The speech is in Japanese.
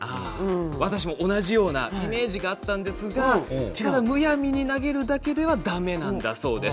私も同じようなイメージがあったんですがむやみに投げるだけではだめなんだそうです。